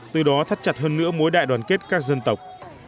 từ đó thắt chặt hơn nữa mối đại đoàn kết các dân tộc